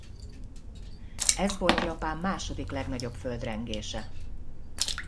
Ez volt Japán második legnagyobb földrengése.